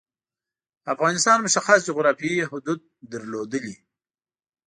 افغانستان مشخص جعرافیايی حدود درلودلي.